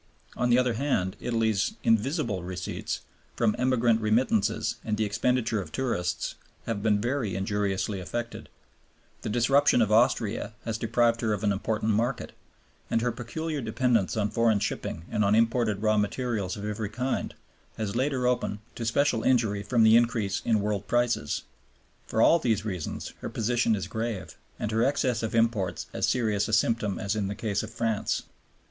On the other hand, Italy's "invisible" receipts, from emigrant remittances and the expenditure of tourists, have been very injuriously affected; the disruption of Austria has deprived her of an important market; and her peculiar dependence on foreign shipping and on imported raw materials of every kind has laid her open to special injury from the increase of world prices. For all these reasons her position is grave, and her excess of imports as serious a symptom as in the case of France.